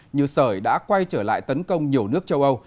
như sởi đã quay trở lại tấn công nhiều nước châu âu